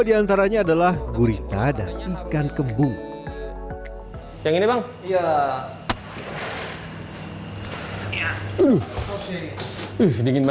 diantaranya adalah gurita dan ikan kembung yang ini bang yah sedikit